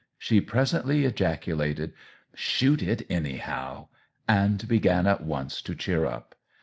she presently ejaculated "Shoot it, anyhow!" and began at once to cheer up.